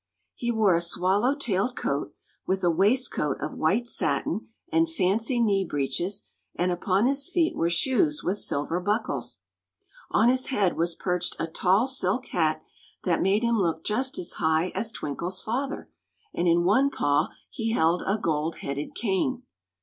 He wore a swallow tailed coat, with a waistcoat of white satin and fancy knee breeches, and upon his feet were shoes with silver buckles. On his head was perched a tall silk hat that made him look just as high as Twinkle's father, and in one paw he held a gold headed cane.